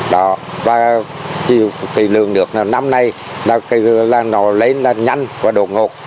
thì lường nước năm nay nó lên nhanh và đột ngột